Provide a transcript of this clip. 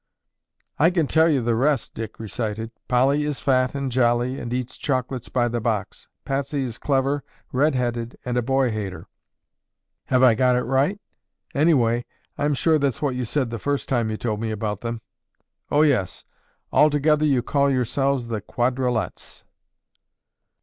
"I can tell you the rest," Dick recited. "Polly is fat and jolly and eats chocolates by the box. Patsy is clever, red headed and a boy hater. Have I got it right? Anyway I'm sure that's what you said the first time you told me about them. Oh, yes—all together you call yourselves 'The Quadralettes.